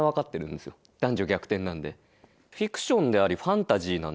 男女逆転なんで。